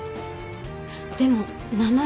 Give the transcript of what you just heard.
でも名前。